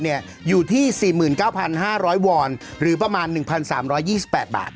เนี่ยอยู่ที่สี่หมื่นเก้าพันห้าร้อยวอนหรือประมาณหนึ่งพันสามร้อยยี่สิบแปด